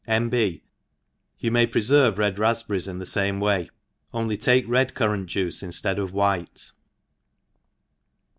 — N. B. You may pre ferve red rafpberries the fame way» only take red currant juice inftead of white.